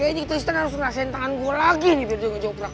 kayaknya tristan harus ngerasain tangan gue lagi nih biar dia gak jawab prak